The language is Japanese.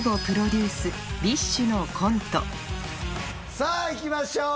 さぁ行きましょう！